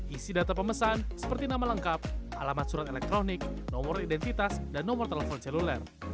isi data pemesan seperti nama lengkap alamat surat elektronik nomor identitas dan nomor telepon seluler